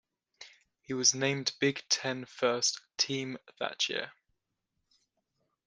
He was named Big Ten First Team that year.